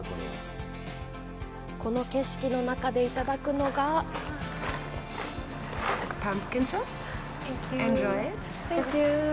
この景色の中でいただくのがセンキュー。